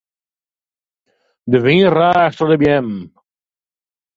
De wyn raast troch de beammen.